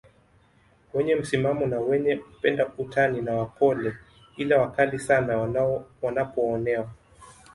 wenye msimamo na wenye kupenda utani na wapole ila wakali sana wanapoonewa